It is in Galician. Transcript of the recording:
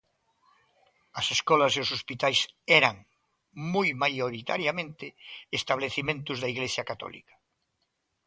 As escolas e os hospitais eran, moi maioritariamente, establecementos da igrexa católica.